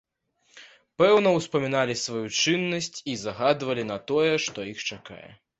Пэўна, успаміналі сваю чыннасць і загадвалі на тое, што іх чакае.